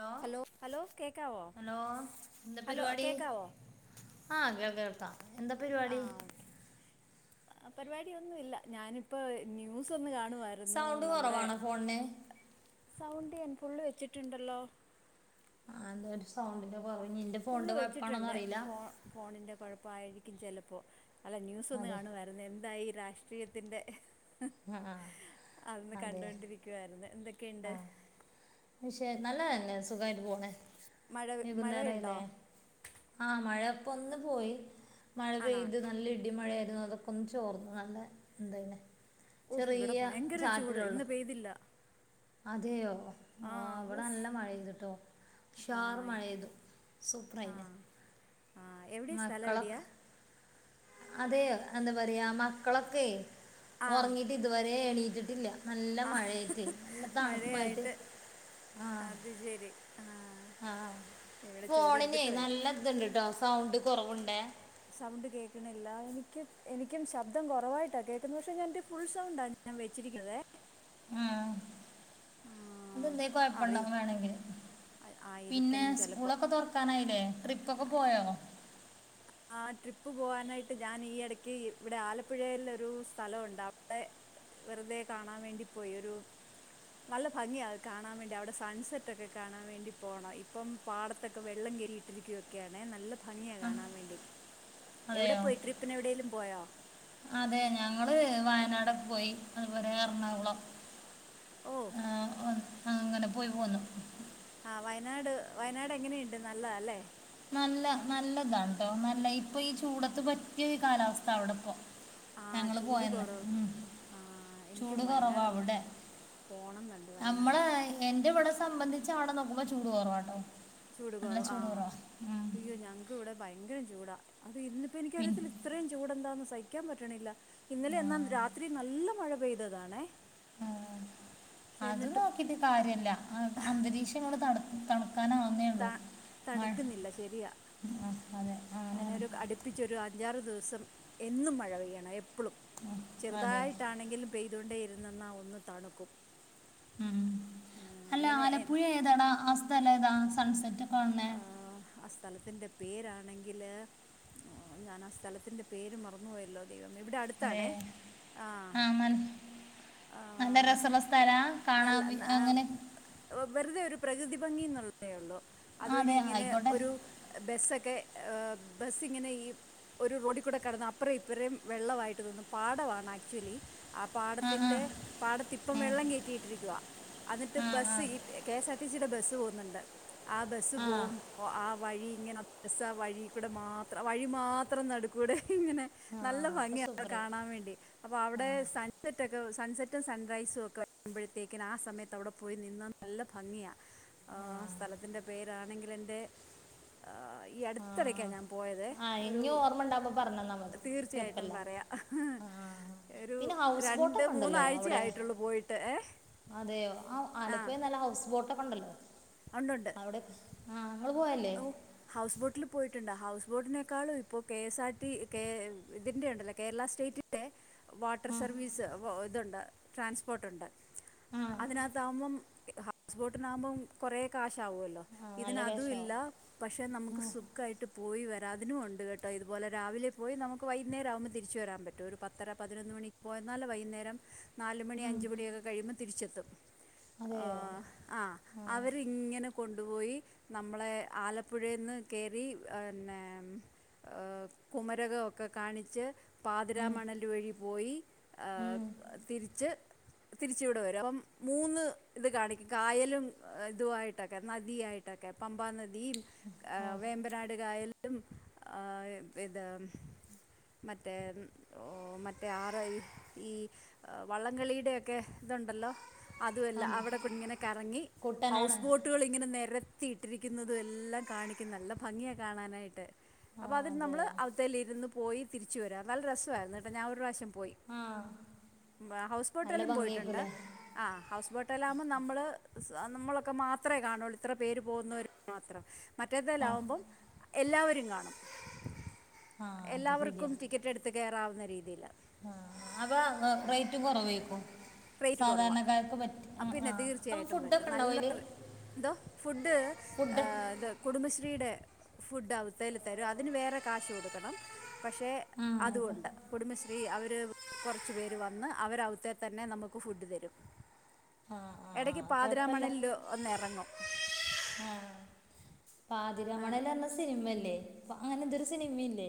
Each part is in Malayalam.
ഹലോ ഹലോ കേക്കാവോ ഹലോ എന്താ ഹലോ പരിപാടി കേക്കാവോ ആഹ കേൾക്കാം എന്താ പരിപാടി പരിപാടിയൊന്നും ഇല്ല ഞാനിപ്പോ ന്യൂസ് ഒന്ന് കാണുമായിരുന്നു സൗണ്ട് നമ്മുടെ കുറവാണോ ഫോണിന് സൗണ്ട് ഞാൻ ഫുള്ള് വെച്ചിട്ടുണ്ടല്ലോ ആഹ് ഒരു സൗണ്ടിന്റെ കുറവ് ഇനി ന്റെ ഫോണിന്റെ കുഴപ്പാണോന്നും അറിയില്ല ഫോണിന്റെ കുഴപ്പായിരിക്കും ചിലപ്പോ അല്ല ന്യൂസ് ഒന്നും അതെ കാണു എന്തായി ഈ രാഷ്ട്രീയത്തിന്റെ ആഹ് ആഹ് അവിടെന്ന് അതെ കണ്ടൊണ്ടിരിക്കുവായിരുന്നു എന്തൊക്കെയുണ്ട് ആഹ് പക്ഷെ നല്ലതന്നെ സുഖായിട്ട് പോണേ മഴ മഴയുണ്ടോ വൈകുന്നേരയില്ലേ ആഹ് മഴപ്പ ഒന്ന് പോയി മഴ ആണോ പെയ്ത് നല്ല ഇടിമഴയായിരുന്നു അതൊക്കെ ചോർന്ന് നല്ല ഇതന്നെ ഓഫ് ഇവിടെ ഭയങ്കര ചൂട് ഇന്ന് പെയ്തില്ല അതെയോ ആഹ് ഇവിടെ നല്ല മഴെയ്തിട്ടോ ഷാറ് ആഹ് മഴെയ്തു സൂപ്പർയിരുനു ആഹ് ആഹ് എവിടെ സ്ഥലംവിടയാ അതെയോ എന്താ പറയാ മക്കളൊക്കെ ആഹ് ഉറങ്ങിട്ട് ഇതുവരെ എണീട്ടിട്ടില്ല നല്ല ആഹ് മഴയായിട്ട് നല്ല തണുപ്പായിട്ട് മഴയായിട്ട് ആഹ [unintelligible] ആഹ് ആഹ ഇവിടെ ഫോണിനെ ചൂടെടുത്തിട്ട് വയ്യ നല്ല ഇത്ണ്ട് ട്ടോ സൗണ്ട് കുറവുണ്ടെ സൗണ്ട് കേൾക്ക്ണില്ല എനിക്ക് എനിക്ക് ശബ്ദം കുറവായിട്ടാണ് കേൾക്ക്ന്നത് പക്ഷേ ഞാനെ എൻ്റെ ഫുൾ സൗണ്ടാണ് ഞാൻ വെച്ചിരിക്ക്ന്നതെ ആഹ് ആഹ് അതന്ത അറിയ കൊഴപ്പണ്ടവും വേണമെങ്കിൽ പിന്നെ ആയിരിക്കണം ചിലപ്പോ സ്കൂളൊക്കെ തോറക്ക് ക്ക്നായില്ലേ ട്രിപ്പ ഒക്കെ പോയോ ആഹ് ട്രിപ്പ് പോവാനായിട്ട് ഞാൻ ഈ ഇടക്ക് ഇവിടെ ആലപ്പുഴയിലൊരു സ്ഥലമുണ്ട് അവിടെ വെറുതെ കാണാൻ വേണ്ടി പോയി ഒരു നല്ല ഭംഗിയാണ്ത് കാണാൻ വേണ്ടി അവിടെ സൺസെറ്റ് ഒക്കെ കാണാൻ വേണ്ടി പോണം ഇപ്പം പാടത്തൊക്കെ വെള്ളം കയറിയിട്ടിരിക്കുകയൊക്കെയാണെിൽ നല്ല ഭംഗിയാണ് ആ കാണാൻ വേണ്ടി എവിടെ അതെയോ പോയി ട്രിപ്പി എവിടെലും പോയോ അതെ ഞങ്ങള് വയനാടൊക്കെ പോയി അതുപോലെ എറണാകുളം ഓഹ് ആഹ് അങ്ങനെ പോയി പോന്നു ആഹ് വയനാട് വയനാട് എങ്ങനെയ്ണ്ട് നല്ലതല്ലേ നല്ല നല്ലതാട്ടോ നല്ല ഇപ്പൊ ഈ ചൂടത്ത് പറ്റിയ ഈ കാലാവസ്ഥ അവിടെ ഇപ്പ ആ ഞങ്ങള് ചൂട് പോയന്ന് കുറവ് ഉം ആ ചൂട് കുറവാ അവിടെ പോണംന്നുണ്ട് വയനാട് എന്റെ ഇവിടെ സംബന്ധിച്ചച്ച് ആവിടെ നോക്കുമ്പോ ചൂട് കുറവാട്ടോ ചൂട് നല്ല കുറവ ചൂട് ആഹ് കുറവാ ഉം. അയ്യോ ഞങ്ങക്ക് ഇവിടെ ഭയങ്കരം ചൂടാ അത് ഇന്നിപ്പോ പിൻ എനിക്കറിയത്തില്ല ഇത്രയും ചൂട്ന്താന്ന് സഹിക്കാൻ പറ്റണില്ല ഇന്നലെ ആ, എന്നാ രാത്രി നല്ല മഴ പെയ്തതാണെ ഉം അത് നോക്കിട്ട് കാര്യല്ല അന്തരീക്ഷം ങ്ങട്ട് ത തണുക്കാന ത തണുക്കുന്നില്ല ശരിയാണ് ആ, അതെ അങ്ങനെയാണ് അതിനരു അടി പ്പിച്ചൊരു അഞ്ചാറ് ദിവസം എന്നും മഴ പെയ്യണം എപ്പോഴും ആ, അതെ ചെറുതായിട്ടാണെങ്കിലും പെയ്തൊണ്ടേയിരുന്നെന്നാൽ ഒന്ന് തണുക്കും ഉം അല്ല എങ്ങനെ ആലപ്പുഴ ഏതടാ ആസ്ഥലം ഏതാ സൺസെറ്റ് കാ ഓഹ് ആ സ്ഥലത്തിന്റെ പേരാണെങ്കിൽ ഞാൻ ആ സ്ഥലത്തിന്റെ പേര് മറന്നുപോയല്ലൊ. ദൈവം ഇവിടെ അതെ അടുത്താണേ ആ നല്ല രസല്ല സ്ഥലാ കാണാ നല്ല [unintelligible] എങ്ങനെ വെറുതെ ഒരു പ്രകൃതി ഭംഗി എന്നുള്ളതേള്ളു. ആ, അതുവഴി അതെ ഇങ്ങനെ ആയിക്കോട്ടെ ഒരു ബെസ്സൊക്കെ ബസി ഇങ്ങനെ ഈ ഒരു റോഡിൽ കൂടെ കടന്ന് അപ്പറേ ഇപ്പറേം വെള്ളവായിട്ട് തോന്നും. പാട വാണ് ആക്ച്വലി ആ പാടത്തിന്റെ പാടത്തിപ്പം ഉം. വെള്ളം കേറ്റിയിട്ടിരിക്ക്വ. അന്നിട്ട് ആ ആ ബസ്സ് ഇ കെ എസ് ആർ ടി സിയുടെ ബസ്സ് പോകുന്ന്ണ്ട്. ആ ബസ്സ് പോകു അ ആ വഴി ഇങ്ങനെ അം ബെസ് ആ വഴി കൂടെ മാത്രം. വഴി മാത്രം നടുക്കൂടെ ഇങ്ങനെ ആ നല്ല അപ്പോൾ ഭംഗ്യാട്ടൊ സൂപ്പറായി കാണാൻ വേണ്ടി. അപ്പൊ ആ അവടെ സ സൺസെറ്റൊക്കെ സൺസെറ്റും സൺറൈസും ഒക്കെ വരുമ്പോഴത്തേക്കിന് ആ സമയത്ത് അവിടെ പോയി നിന്നാ നല്ല ഭംഗ്യ സ്ഥലത്തിൻ്റെ പേരാണെങ്കില് എൻ്റെ ഈ ആ അടുത്തെടയ്ക്കാണ് ഞാൻ പോയത് ആ ഒരു ഇനി ഓർമ്മ ഉണ്ടാകുമ്പോൾ പറഞ്ഞെന്നാൽ മതി തീർച്ചയായിട്ടും കുഴപ്പമില്ല പറയാ. ആ ഒരു പിന്നെ ഹൗസ് രണ്ട് ബോട്ടൊക്കെ മൂന്നാഴ്ച ആയിട്ടൊള്ളു പോയിട്ട് ഏഹ്. അതേയൊ. ആ ആലപ്പുഴ നല്ല ഹൗസ് ബോട്ടൊക്കെ ഇണ്ടല്ലോ. ഉണ്ടുണ്ട്. അവിടെ ആ ഇങ്ങള് പോയെ ഔ ഹൗസ് ബോട്ടിൽ പോയിട്ടുണ്ട്. ഹൗസ് ബോട്ടിനേക്കാളും ഇപ്പോ കെ എസ് ആർടി ഇതിന്റെ ഉണ്ടെല്ലൊ കേരള സ്റ്റേറ്റ് വാട്ടർ ആ സർവീസ് ഇതുണ്ട്. ട്രാൻസ്പോർട്ട്ണ്ട്. ആ അതിനകത്ത് ആകുമ്പം ഹൗസ് ബോട്ടിനാകുമ്പം കൊറേ കാശാവൊല്ലോ. നാല്ല വേശൊ പക്ഷെ നമുക്ക് സു ഒക്കായിട്ട് പോയി വരാ അതിനു ഉണ്ട് കെട്ടൊ. ഇതുപോലെ രാവിലെ പോയി നമുക്ക് വൈന്നേരാവുമ്പ തിരിച്ച് വരാൻ പറ്റു ഒരു പത്തര പതിനൊന്ന് മണിക്ക് പോയെന്നാൽ വൈന്നേരം. നാലു മണി ഉം. അഞ്ച് മണിയൊക്കെ കഴിയുമ്പം തിരിച്ചെത്തും. അതെയോ ആ അവർ ഇങ്ങനെ കൊണ്ടുപോയി നമ്മളെ ആലപ്പുഴേന്ന് കേറി പിന്നെ കുമരകൊക്കെ കാണിച്ച്. ഉം, പാതിരാമണല് വഴി പോയി ഉം, തിരിച്ച് തിരിച്ച് ഇവടെ വെരു. അപ്പം മൂന്ന് ഇത് കാണിക്കും. കായലും ഇതു വായിട്ടൊക്കെ നദിയായിട്ട് ഇതെക്കെ പമ്പ നദിം ആ വേമ്പര ഇതാണ്ട് കായല്ലും ഇത്. മറ്റെ ഒ മറ്റെ ആറ് [unintelligible] ഈ വള്ളം കളിയുടെ ഒക്കെ ഇതുണ്ടല്ലൊ. അതുവല്ല ഉം. അവിടെ ക്കു [unintelligible] ഇങ്ങനെ കറങ്ങി കുട്ടനാട് ഹൗസ് ബോട്ടുകള് ഇങ്ങനെ നെരത്തി ഇട്ടിരിക്കുന്നു. ന്നതും എല്ലാം കാണിക്കും. നല്ല ഭംഗ്യ കാണാനായിട്ട്. ആ അപ്പൊ അതിന് നമ്മള് അതെയോ അവിത്തയ്ൽ ഇരുന്ന് പോയി തിരിച്ചു വരാ. നല്ല രസവായിരുന്നു കെട്ടാ ഞാൻ ഒരു പ്രാവശ്യം പോയി. ആ ഹൗസ് നല്ല ബോട്ടേല്ലും പോയിട്ടുണ്ട്. ഭംഗിയായിപ്പോലെ ആ ഹൗസ് ബോട്ടേലാവുമ്പം നമ്മള് നമ്മളൊക്കെ മാത്രേ കാണൊള്ളൂ ഇത്ര പേര് പോകുന്ന മാത്രം ആ മറ്റേതായാലാവുമ്പം എല്ലാവരും കാണും. ആ അത് എല്ലാവർക്കും ശരിയാ ടിക്കറ്റ് എടുത്ത് കേറാവുന്ന രീതിയില്. ആ അതാ റേയ്റ്റും കൊറവേക്കും. റേറ്റ് കുറവാണ് സാധാരണക്കാർക്ക് പറ്റ് [unintelligible] അപ്പം പിന്നെ ആഹ് അപ്പൊ തീർച്ചയായിട്ടും പറ്റും ഫുഡൊക്കെ ഇണ്ടാവൊ നല്ല അയ്ല്. എന്തോ ഫുഡ് അത് കുടുംബശ്രീടെ ഫുഡ് അവ്ത്തല് തരും അതിന് വേറെ കാശ് കൊടുക്കണം പക്ഷേ ആ അതു ഇപ്പം കൊണ്ട് കുടുംബശ്രീ അവര് കൊർച്ചു പേര് വന്ന് അവരവ്ത്തെ തന്നെ നമുക്ക് ഫുഡ് തരും ആ ആ ആ എടക്ക് പാതിരാ കുഴപ്പമില്ല മണൽല് ഒന്നറങ്ങും ആ പാതിര ആ, മണല് പർഞ്ഞ സിനിമയല്ലേ അങ്ങനെ എന്ദോ ഒര് സിനിമയില്ലേ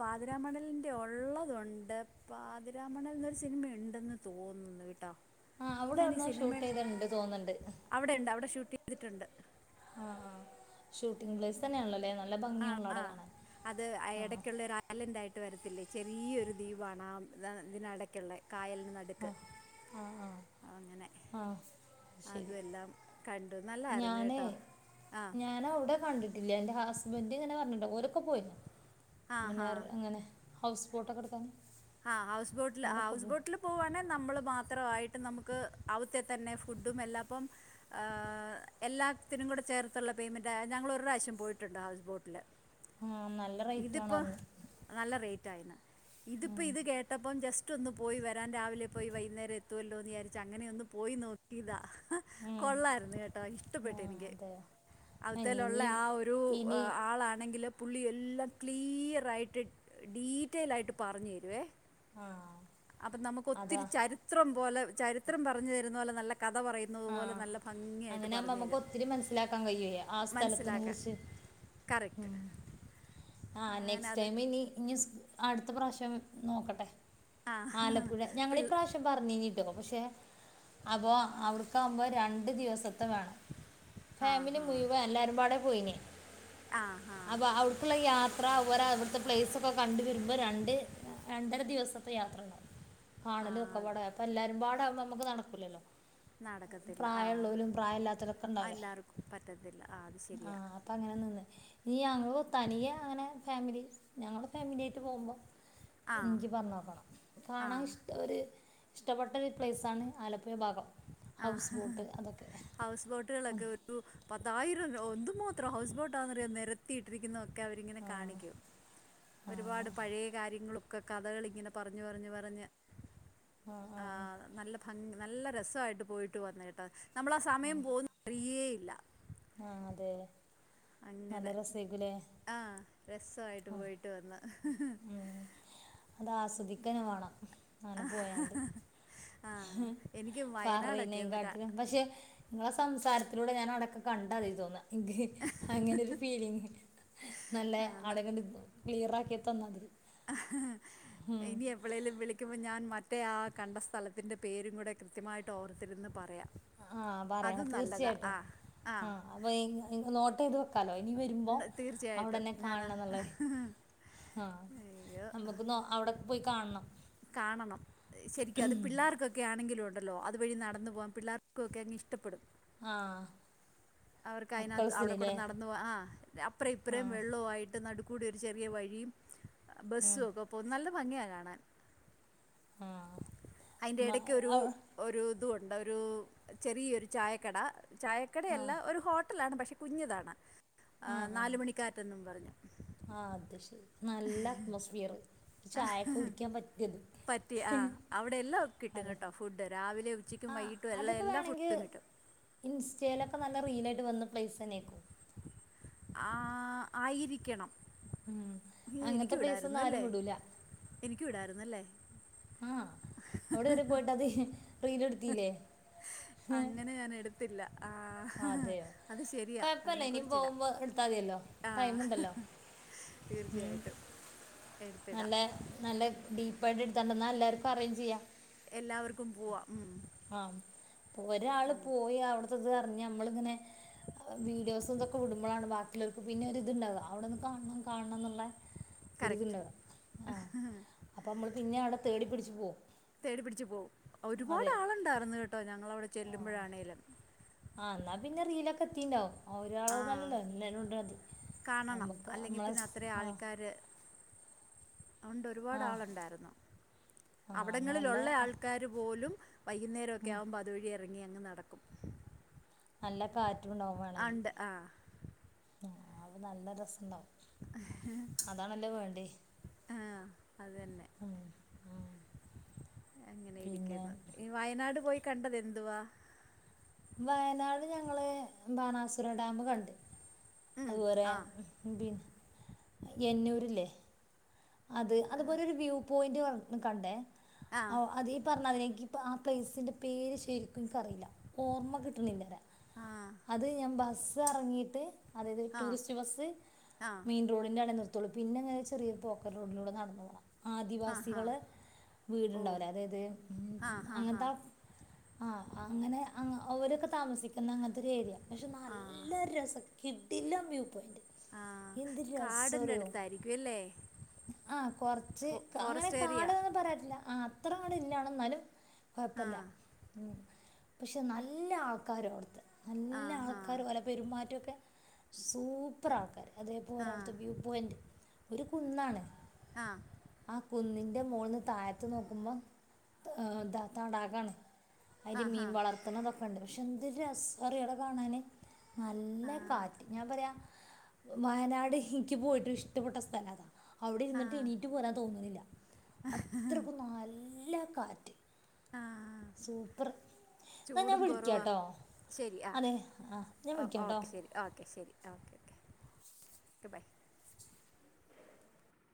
പാതിരാ മണൽന്റെ ഒള്ളതുണ്ട് പാതിരാ മണൽന്നൊരു സിൻമ ഉണ്ടെന്ന് തോന്നുന്നു കേട്ടാ ആ അവ്ടെ എവ്ട്ന്നോ ഷൂട്ട് ചെയ്ത ഇണ്ട് തോന്ന്ണ്ട് അവടെ ഇണ്ട് അവടെ ഷൂട്ട് ചെയ്തിട്ടുണ്ട് ആ ആ ഷൂട്ടിംഗ് പ്ലേസ് തന്നെൺള്ളെ ലെ നല്ല ആ ഭംഗിയാൻ ള്ളോ അവ്ടെ കാണാൻ ആ കാലെന്തായിട്ട് വരത്തില്ലേ ചെറിയൊരു ദ്വീപാണ് ആ ഇതിനടക്ക്ള്ളെ കായൽന് ന ആ ആ ആ അങ്ങനെ ആ അതു അല്ലാം കണ്ടു ന ഞാന് ഞാന് അവ്ടെ കണ്ട് ഇല്ല ഇന്റെ ഹസ്ബൻഡ് ഇങ്ങനെ പർഞ്ട്ടോ ഓലോക്ക പോയി ആ ഹാ പിന്നേർ അങ്ങനെ ഹൗസ് ബോട്ടക്ക ഇട്ത്ത് ആ ഹൗസ് ബോട്ടില് ആ ഹൗസ് ബോട്ടിലും പോവാണെ നമ്മള് മാത്ര ആയിട്ട് നമുക്ക് അവ്ത്തെ തന്നെ ഫുഡും എല്ലാപ്പം ആ എല്ലാത്തിനും കൂടെ ചേർത്ത്ള്ള പേയ്മെന്റ് ഞങ്ങള് ഒരു പ്രാവശ്യം പോയിട്ടുണ്ട് ഹൗസ് ബോട്ട്ല് ആ നൽ ഇത്പ്പോ നല്ല റേറ്റ് ആയിണ് ഇത്പ്പ ഇത് പറഞ്ഞു കേട്ടപ്പം ജസ് റ്റൊന്ന് പോയി വരാൻ രാവിലെ പോയി വൈന്നേരം എത്തുവല്ലോ ന്ന് വിചാരിച് അങ്ങനെ ഒന്ന് പോയി നോക്കിതാ കൊള്ളായിരുന്നു കേട്ടോ ഇഷ്ടപ്പെട്ട് ആഹ് എനിക്ക് അതെയോ ആ, അവ്ത്തെലുള്ള ഇനി ആ ഒരു ഇനി ആളാണെങ്കിലും പുള്ളി എല്ലാം ക്ലീയറായിട്ട് ഡീറ്റെൽ ആയിട്ട് പർഞ്ഞു തരുവേ ആഹ് അപ്പം നമുക്ക് അതാ ഒത്തിരി ചരിത്രം പോലെ ചരിത്രം പറഞ്ഞു തരുന്ന പോലെ നല്ല കഥ പറയ് ന്നതു പോലെ ആഹ് നല്ല ഭംഗിയായിട്ട് അങ്ങനെ ആകുമ്പോ പറഞ് നമുക്ക് തരും ഒത്തിരി മനസ്സിലാക്കാൻ കഴിയുവേ ആ സ്ഥലത്തിനെ മൻസിലാക്കാൻ കുറിച്ച് കറക്റ്റ് ആ അങ്ങനെ നെക്സ്റ്റ് അത് ടൈമ് ഇനി ഇനി സ് അട്ത്ത പ്രാവശ്യം നോക്കട്ടെ ആ ആലപ്പുഴ ഞങ്ങളീ പിള്ള പ്രാവശ്യം പർ ഞ്ഞിനി ട്ടോ പക്ഷെ അപ്പൊ അവ്ട്ക്കാവുമ്പോ രണ്ട് ദിവസ [unintelligible] ആ ഫാമിലി ഹാ മുഴുവ എല്ലാരും പാടെ പോയിനിയെ ആ ഹാ അപ്പൊ അവ് യാത്ര ഓലെ ഇവട്ത്തെ പ്ലേസ് ഒക്ക കണ്ട് വരുമ്പ രണ്ട് രണ്ടര ദിവസത്തെ യാത്ര ഇണ്ടാവും ആ കാണല് ഒക്ക പാട അപ്പ എല്ലാരും പാട ആവുമ്പ നമുക്ക് നടക്കൂലല്ലോ നടക്കത്തില്ല ആ പ്രായ ഇള്ളോലും പ്രായ ഇല്ലാത്തൊലൊക്കെ ആ, ഇണ്ടാവൂലേ എല്ലാവർക്കും പറ്റത്തില്ല ആ അത് ആ ശരിയാ അപ്പ അങ്ങനെ നിന്ന് ഇഞ് ഞങ്ങളു തനിയെ അങ്ങനെ ഫാമിലി ഞങ്ങള ഫാമിലിയായിട്ട് പോവുമ്പോ ആ എൻക്കി പർഞ്ഞോക്കണം ആ കാണാൻ ഇഷ്ട ഒര് ഇഷ്ടപ്പെട്ട ഒര് പ്ലെയ്സ് ആണ് ആലപ്പുഴ ഭാഗം ആ ഹൗസ് ബോട്ട് അതൊക്കെ ഹൗസ് ബോട്ടുകളൊക്ക ഒരു പത്തായിരം എന്തു മാത്രം ഹൗസ് ബോട്ടാന്നറിയോ നേരത്തിയിട്ടിരിക്കുന്ന ക്ക അവരിങ്ങനെ ആ കാണിക്കും ആ ഒരുപാട് പഴയ കാര്യങ്ങളും ക്ക് കഥകള് ഇങനെ പറഞ് പറഞ്ഞ് പറഞ്ഞ് ആ നല്ല ഭം നല്ല രസായിട്ട് പോയിട്ട് വന്നു കേട്ടാ നമ്മളാ സമയം പോവുന്ന അറിയേയില്ല ആ അതെ നല്ല അങ്ങനെ രസേരിക്കും ലെ ആ രസായിട്ട് പോയിട്ട് വന്ന് ഉം അത് ആസ്വദിക്കെന്നെ വാണം ആ എനിക്ക് പർയ്നേ വയനാടൊക്കെ ഒന്ന് ക- കാട്ടിലും പക്ഷെ ങ്ങളെ സംസാരത്തിലൂടെ ഞാൻ അവടൊക്കെ കണ്ടാതി തോന്നാ ഇൻക്ക് അങ്ങനെ ഒരു ഫീലിങ് നല്ലെ ആ, ന- ആള്കള് ക്ലിയറാക്കി തന്നതിൽ ഇനി എപ്പളേലും വിളിക്കുമ്പോ ഞാൻ മറ്റ മറ്റേ ആ കണ്ട സ്ഥലത്തിൻ്റെ പേരും കൂടെ കൃത്യമായിട്ട് ഓർത്തിരുന്ന് പറയാ ആ പറയണം തീർച്ചയായിട്ടും ആ അപ്പൊ നോട്ടെയ്ത് വെക്ക സ്ഥലം ഇനി വെരുമ്പോ ന- തീർച്ചയായിട്ടും അവടെന്നെ കാണ്ണം ന്ന്ള്ളത് ഞാൻ ആ അയ്യോ നമ്മക്ക് നോ അവടൊക്കെ പോയി കാണ്ണം കാണണം ശെരിക്കും അത് പിള്ളേർക്കൊ ക്ക്യാണെങ്കിലുണ്ടല്ലോ അതുവഴി നടന്ന് പോവാൻ പിള്ളാർക്കൊക്കങ് ഇഷ്ടപ്പെടും ആ അവർക്ക് അയ്നാത്ത് അവടെ കൂടെ മക്കളസിനില്ലേ നടന്ന് പോവാൻ ആ അപ്പറ ഇപ്പറേ ആ വെള്ളവായി ന്റെ നടുക്കൂടെ ഒരു ചെറിയ വഴിം ബെസ്സും ഒക്കെ പോം നല്ല ഭംഗിയാ കാണാൻ ആഹ് മ അയ്ന്റെടക്കൊരു അവി ഒരു തുണ്ട് ഒരു ചെറിയൊരു ചായക്കട ചായക്കടയല്ലാ ആഹ് ഒരു ഹോട്ടലാണ് പക്ഷെ കുഞ്യതാണ് ആ ആ ആ അത് ശെരി നല്ല അറ്റ്മോസ്ഫിയർ ചായൊക്കെ കുടിക്കാൻ പറ്റ്യേത് പറ്റി ആ അവടെ എല്ലാം കിട്ടും കേട്ടോ ഫുഡ് രാവിലെ ഉച്ചക്കും വൈകിട്ടും എല്ലാം എല്ലാം ഫുഡും കിട്ടും ഇൻസ്റ്റേലൊക്കെ നല്ലറീലായിട്ട് വന്ന പ്ലെസെന്നേക്കും ആ ആയിരിക്കണം ഉം അങ്ങനത്തെ എനിക്കും പ്ലേസ് ഇടായിരുന്നു ഒന്നും ആരും അല്ലേ വിടൂല എനിക്കുടാര്ന്നല്ലേ ആഹ് അവടെ വരെ പോയിട്ടത് അങ്ങനെ ഞാനെട്ത്തില്ല [inaudible] അതെയോ കൊഴപ്പല്ല ഇനിം അതിനെക്കുറിച്ചിടാം പോകുമ്പോ ഇട്ത്താതിയല്ലോ ആ ടൈമ്ണ്ടല്ലോ തീർച്ചയായിട്ടും എട്ത്തിട നല്ല നല്ല ഡീപ്പായിട്ട് എടുത്തോണ്ടെന്നാ എല്ലാർക്കറേഞ്ചെയ്യാ എല്ലാവർക്കും പോവാം ഉം ആ ഒരാള് പോയി അവ്ട്ത്തതർഞ് നമ്മളിങ്ങനെ വീഡിയോസും തൊക്കെ വിടുമ്പളാണ് ബാക്കിള്ളോര്ക്ക് പിന്നൊര്ത്ണ്ടാവ അവടൊന്ന് കാണ്ണം കാണ്ണം ന്ന്ള്ളെ കറക്റ്റ് ഒരിത്ണ്ടാവ ആ അപ്പൊ മ്മള് പിന്നെ അവടെ തേടി പിടിച്ച് പോം തേടി പിടിച്ച് പോം ഒരുപാട് ആള്ണ്ടാർന്ന് കേട്ടോ ഞങ്ങളവടെ ചെല്ലുമ്പഴാണേലും ആ ന്നാ പിന്നെ റീലൊക്കെ എത്തിണ്ടാവും ആ ഒരാൾതല്ലല്ലോ [unintelligible] കാണണം നമ്മക്ക് അല്ലെങ്കിൽ നമ്മളെ പിന്നെ സ് അത്രയും ആ ആൾക്കാർ അതുകൊണ്ട് ഒരുപാട് ആളുണ്ടാര്ന്നു ആഹ് നല്ല അവിടങ്ങളിലൊള്ള ആൾക്കാര് പോലും വൈകുന്നേരൊക്കെ ഉം ആകുമ്പോ അതുവഴി എറങ്ങി അങ് നടക്കും നല്ല കാറ്റുണ്ടാവും വാണെങ്കി ഉണ്ട് ആ അപ്പം നല്ല രസണ്ടാവും അതാണല്ലോ വേണ്ടേ ആ അത് തന്നെ ഉം അങ്ങനെ പിന്നെ ഇരിക്ക്ന്ന് വയനാട് പോയി കണ്ടത് എന്തുവാ വയനാട് ഞങ്ങള് ബാണാസുര ഡാമ് കണ്ട് ഉം, അതുപോരെ ആ പിന്നെ എന്നൂരില്ലേ അത് അതുപോലെ ഒരു വ്യൂ പോയിന്റ് കണ്ടേ ആ അതീ പറഞ്ഞതിനേക്ക്‌ ഇ ആ പ്ളയിസിന്റെ പേര് ശരിക്കും എനിക്കറിയില്ല ഓർമ്മ കിട്ടുന്നില്ല ആ അത് ഞാൻ ബസ് ഇറങ്ങിയിട്ട് അതായത് ആ ടൂറിസ്റ്റ് ബസ് ആ മീ റോഡിന്റെ ആടെ നിർത്തുള്ളൂ പിന്നെ ഞാൻ വിചാരിച് ചെറിയ പോക്ക റോഡിലൂടെ നടന്ന് പോകാം ആ ഹാ ആദിവാസികള് ഓ വീടുണ്ടാവലേ അതായത് ഉം ആ ഹാ ഹാ അങ്ങനത്തെ ആഹ് അങ്ങനെ അവരൊക്കെ താമസി ന്ന അങ്ങനത്തെ ഒരു ഏരിയ പക്ഷെ ആ നല്ലൊ രസം കിടിലം വ്യൂ പോയിന്റ് ആഹ് കാടിന്റെടുത്തായിരിക്കുംല്ലേ ആഹ് കൊർച്ച് അങ്ങനെ ഏരിയ കാട്ന്ന് പറയറ്റില്ല ആഹ് അത്രകാട് ഇല്ലാവ്ടെ എന്നാലും ആ കൊഴപ്പല്ല പക്ഷെ നല്ല ആൾക്കാരാവിടുത്തെ ആ നല്ല ഹാ ആൾക്കാര്പോലെ പെരുമാറ്റൊക്കെ സൂപ്പറാൾക്കാര് അതേപോലെ ആ അവ്ട്ത്തെ വ്യൂ പോയൻ്റ് കുന്നാണ് ആ ആഹ് കുന്നിന്റെ മോൾന്ന് താഴത്ത് നോക്കുമ്പൊ ത താടാകാണ് ആ ഐല് മീൻ ഹാ വളർത്ത്ണതൊക്കെണ്ട് പക്ഷെ എന്ത് രസാറിയോ അവിടെ കാണാന് നല്ല ആ കാറ്റ് ഞാൻ പറയാ വയനാട് ഇൻക്ക് പോയിട്ട് ഇഷ്ടപ്പെട്ട സ്ഥല അതാ അവിടെ ആ ഇര്ന്ന്ട്ട് എണീറ്റ് പോരാൻ തോന്ന്ണില്ല അത്രക്കും നല്ല കാറ്റ് ആഹ് സൂപ്പർ എന്ന ഞാൻ കുറവാ വിളിക്കാട്ടോ ശരി ആ അതെ ആഹ് ഞാൻ ഓ വിളിക്കാട്ടോ ഓക്കെ ശരി ഓക്കെ ശെരി ആഹ് ഓക്കെ ഓക്കെ ഓക്കെ ബൈ